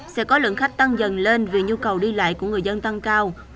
sẽ có lượng khách tăng dần lên vì nhu cầu đi lại của người dân tăng cao